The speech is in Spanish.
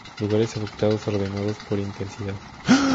Lugares afectados ordenados por intensidad